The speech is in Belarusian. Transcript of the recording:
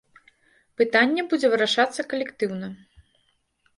Пытанне будзе вырашацца калектыўна.